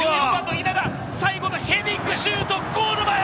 最後のヘディングシュート、ゴール前！